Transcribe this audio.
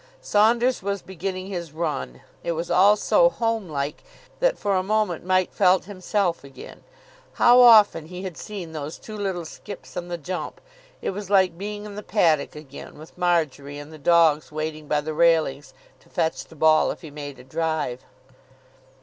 Saunders was beginning his run. It was all so home like that for a moment Mike felt himself again. How often he had seen those two little skips and the jump. It was like being in the paddock again, with Marjory and the dogs waiting by the railings to fetch the ball if he made a drive.